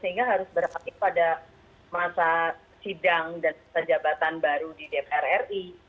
sehingga harus berhati pada masa sidang dan jabatan baru di dpr ri